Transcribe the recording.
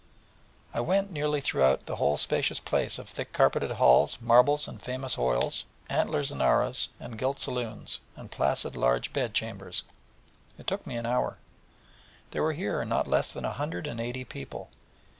I went nearly throughout the whole spacious place of thick carpeted halls, marbles, and famous oils, antlers and arras, and gilt saloons, and placid large bed chambers: and it took me an hour. There were here not less than a hundred and eighty people.